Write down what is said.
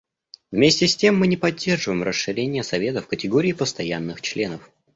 Вместе с тем мы не поддерживаем расширение Совета в категории постоянных членов.